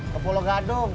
ke pulau gadung